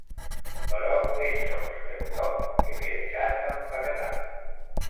Però és sols quelcom que m'he deixat d'empaquetar.